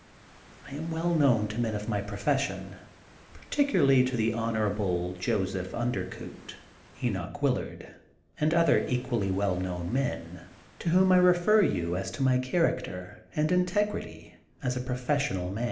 I am well known to men of my profession, par ticularly to the Hon. Joseph Undercoot, Enoch Willard, and other equally well known men, to whom I refer you as to my character and integrity as a professional man.